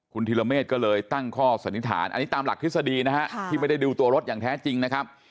คุณธิรเมฆก็เลยตั้งข้อสันนิษฐานอันนี้ตามหลักทฤษฎีนะฮะที่ไม่ได้ดูตัวรถอย่างแท้จริงนะครับ